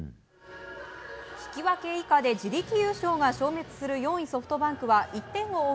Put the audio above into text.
引き分け以下で自力優勝が消滅する４位、ソフトバンクは１点を追う